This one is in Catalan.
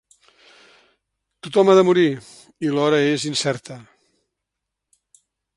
Tothom ha de morir i l'hora és incerta.